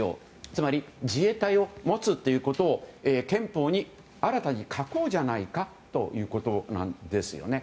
つまり自衛隊を持つということを憲法に新たに書こうじゃないかということなんですよね。